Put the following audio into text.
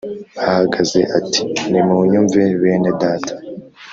ahagaze ati Nimunyumve bene data